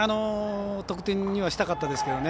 得点にはしたかったですけどね。